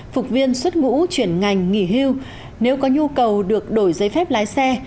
phục viên xuất ngũ chuyển ngành nghỉ hưu nếu có nhu cầu được đổi giấy phép lái xe